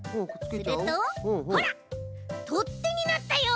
するとほらとってになったよ！